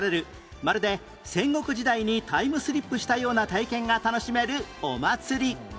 まるで戦国時代にタイムスリップしたような体験が楽しめるお祭り